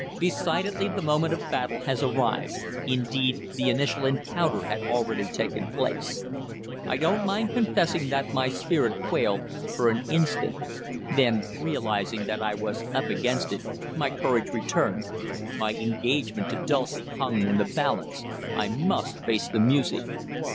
Decidedly the moment of battle has arrived" indeed, the initial encounter had already taken place. I don't mind confessing that my spirit quailed for an instant. Then, realizing that I was "up against it," my courage returned. My engagement to Dulcie hung in the balance. I must face the music.